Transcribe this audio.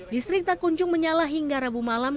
distrik takuncung menyalah hingga rabu malam